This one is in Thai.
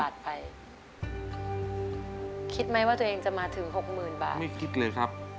จะช่วยอเจมส์ครับ